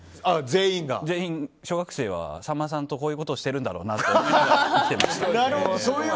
小学生はみんな、さんまさんとこういうことをしているんだなと思ってました。